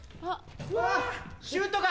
シュートが！